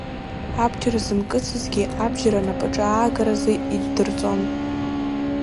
Абџьар зымкыцызгьы абџьар анапаҿы аагаразы иддырҵон.